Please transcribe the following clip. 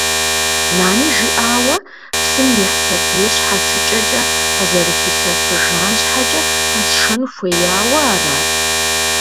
Нани жиӏауэ, псым ихь сабийр щхьэцыкӏэкӏэ къызэрыхилъэфыжам щхьэкӏэ къэсшэн хуеяуэ арат?